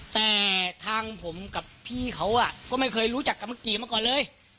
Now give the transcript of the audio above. แต่ทางผมกับพี่เขาก็ไม่เคยรู้จักกับเมื่อกี้มาก่อนเลย